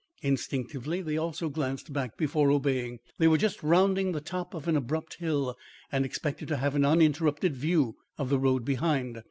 Instinctively they also glanced back before obeying. They were just rounding the top of an abrupt hill, and expected to have an uninterrupted view of the road behind.